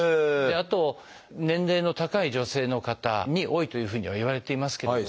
あと年齢の高い女性の方に多いというふうにはいわれていますけれども。